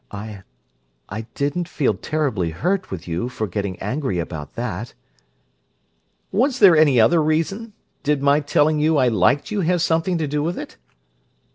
I—I didn't feel terribly hurt with you for getting angry about that!" "Was there any other reason? Did my telling you I liked you have anything to do with it?"